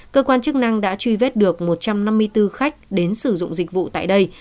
cơ quan chức năng đã truy vết được một trăm năm mươi bốn khách đến sử dụng dịch vụ tại đây